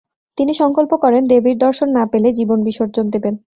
তিনি সংকল্প করেন দেবীর দর্শন না পেলে জীবন বিসর্জন দেবেন।